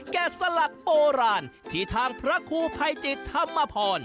สลักโบราณที่ทางพระครูภัยจิตธรรมพร